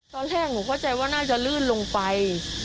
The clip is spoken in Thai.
ตอนแรกหนูเข้าใจว่าน่าจะลื่นลงไป